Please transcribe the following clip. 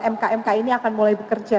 mk mk ini akan mulai bekerja